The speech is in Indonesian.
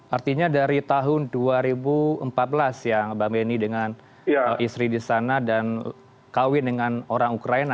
artinya dari tahun dua ribu empat belas ya mbak beni dengan istri di sana dan kawin dengan orang ukraina